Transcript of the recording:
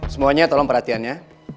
semuanya tolong perhatian ya